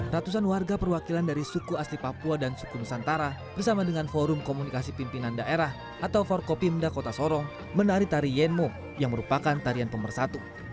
ratusan warga perwakilan dari suku asli papua dan suku nusantara bersama dengan forum komunikasi pimpinan daerah atau forkopimda kota sorong menari tari yen mo yang merupakan tarian pemersatu